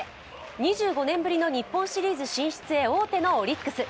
２５年ぶりの日本シリーズ進出へ王手のオリックス。